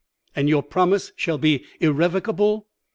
"'And your promise shall be irrevocable?'